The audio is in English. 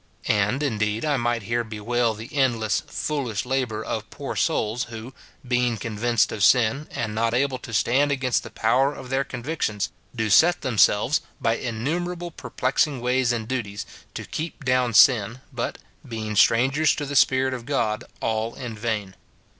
And, indeed, I might here bewail the endless, foolish labour of poor souls, who, being convinced of sin, and not able to stand against the power of their convictions, do set themselves, by innumerable perplexing ways and duties, to keep down sin, but, being strangers to the Spirit of God, all in vain.